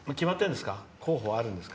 候補あるんですか？